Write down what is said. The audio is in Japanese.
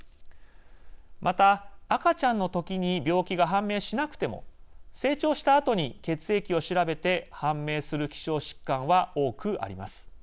また、赤ちゃんの時に病気が判明しなくても成長したあとに血液を調べて判明する希少疾患は多くあります。